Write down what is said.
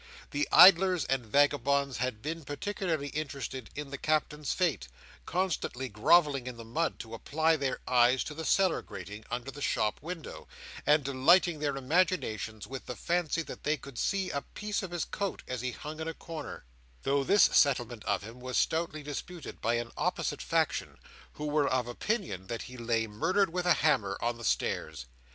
The idlers and vagabonds had been particularly interested in the Captain's fate; constantly grovelling in the mud to apply their eyes to the cellar grating, under the shop window, and delighting their imaginations with the fancy that they could see a piece of his coat as he hung in a corner; though this settlement of him was stoutly disputed by an opposite faction, who were of opinion that he lay murdered with a hammer, on the stairs.